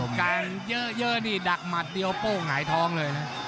ก็สกางเยอะดักมาดเดียวป้งหายท้องเลย